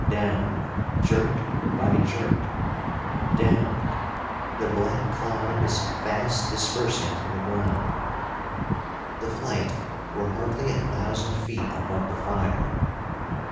Down, jerk by jerk. Down! The black cloud was fast dispersing from the ground. The flight were hardly a thousand feet above the fire.